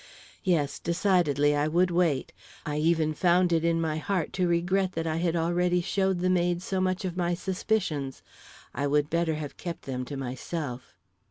Yes, decidedly, I would wait. I even found it in my heart to regret that I had already showed the maid so much of my suspicions. I would better have kept them to myself.